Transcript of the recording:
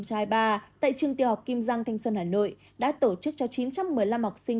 tại trường tiểu học kim giang thanh xuân hà nội đã tổ chức cho chín trăm một mươi năm học sinh